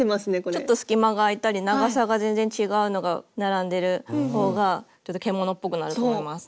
ちょっと隙間があいたり長さが全然違うのが並んでるほうがちょっと獣っぽくなると思います。